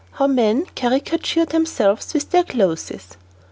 HOW MEN CARICATURE THEMSELVES WITH THEIR CLOTHES.